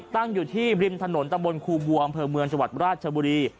ตั้งอยู่ที่ริมถนนตำบลคูบวงพเมืองจมราชบุรี